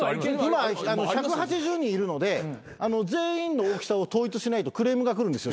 今１８０人いるので全員の大きさを統一しないとクレームが来るんですよ